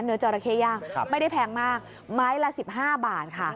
เนื้อเจาระเคย่างไม่ได้แพงมากไม้ละ๑๕บาทค่ะ